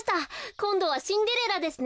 こんどは「シンデレラ」ですね。